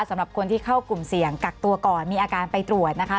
สำหรับคนที่เข้ากลุ่มเสี่ยงกักตัวก่อนมีอาการไปตรวจนะคะ